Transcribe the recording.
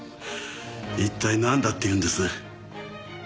一体なんだっていうんです？